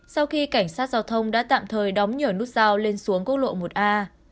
sau khi cảnh sát giao thông đã tạm thời đóng nhửa nút rau lên xuống quốc lộ một a